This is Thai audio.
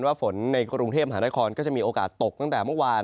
ฝนในกรุงเทพมหานครก็จะมีโอกาสตกตั้งแต่เมื่อวาน